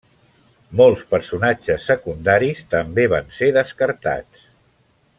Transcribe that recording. Molts personatges secundaris també van ser descartats.